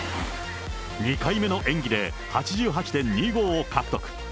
２回目の演技で、８８．２５を獲得。